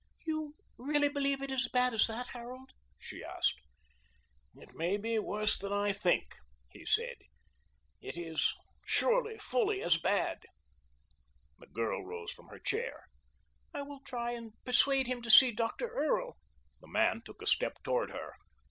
"You really believe it is as bad as that, Harold?" she asked. "It may be worse than I think," he said. "It is surely fully as bad." The girl rose slowly from the chair. "I will try and persuade him to see Dr. Earle." The man took a step toward her.